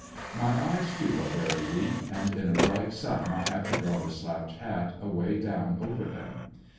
My eyes, too, are very weak, and m a bright sun I have to draw the slouch hat away down over them.